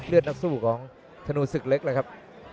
เลือดนักสู้ของธนูษย์สึกเล็กแล้วครับ